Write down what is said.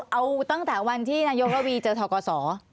เอาตั้งแต่วันที่นายกระวีเจอทกศ